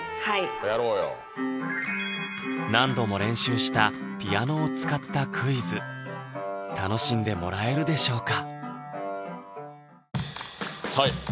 何度も練習したピアノを使ったクイズ楽しんでもらえるでしょうか？